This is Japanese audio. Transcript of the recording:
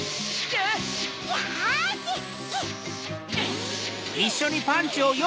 よし！